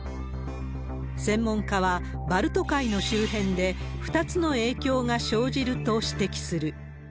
専門家は、バルト海の周辺で２つの影響が生じると指摘する。